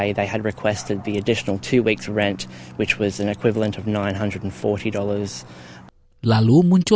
itu pada malam hari selatan setelah kami mengirim uang deposit selama dua minggu